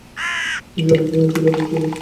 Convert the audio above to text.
তিনি স্বদেশপ্রেমিক ও সুলেখক ছিলেন।